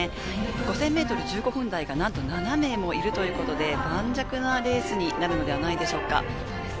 ５０００ｍ１５分台がなんと７名もいるということで盤石なレースになるのではないでしょうか。